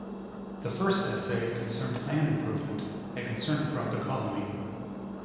The first essay concerned land improvement, a concern throughout the colony.